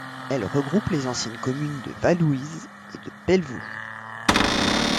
Elle regroupe les anciennes communes de Vallouise et de Pelvoux.